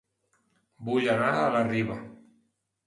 Vull anar a La Riba